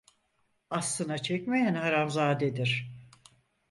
Aslına çekmeyen haramzadedir.